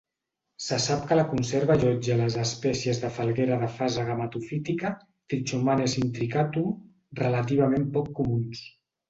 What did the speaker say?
Se sap que la conserva allotja les espècies de falguera de fase gametofítica "Trichomanes intricatum", relativament poc comuns.